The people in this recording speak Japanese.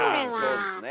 そうですね。